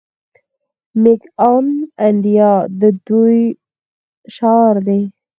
میک ان انډیا د دوی شعار دی.